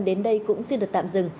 đến đây cũng xin được tạm dừng